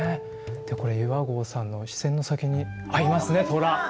でこれ岩合さんの視線の先にあっいますねトラ！